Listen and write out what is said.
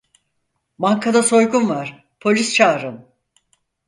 Bankada soygun var, polis çağırın!